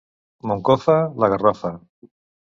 Moncofa, la garrofa.